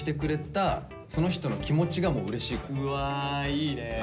うわいいね。